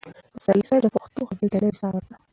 پسرلي صاحب د پښتو غزل ته نوې ساه ورکړه.